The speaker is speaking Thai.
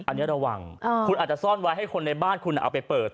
อันนี้ระวังคุณอาจจะซ่อนไว้ให้คนในบ้านคุณเอาไปเปิด